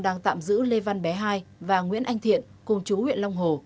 đang tạm giữ lê văn bé hai và nguyễn anh thiện cùng chú huyện long hồ